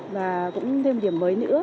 và cũng thêm điểm mới nữa